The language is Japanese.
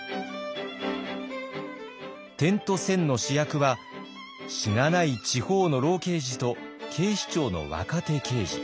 「点と線」の主役はしがない地方の老刑事と警視庁の若手刑事。